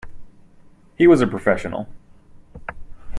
He was a professional.